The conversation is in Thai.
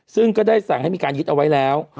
ซึ่งก็ได้สั่งให้มีการยึดเอาไว้แล้ว